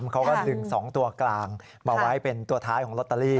เขาก็๑๒ตัวกลางมาไว้เป็นตัวท้ายของลอตเตอรี่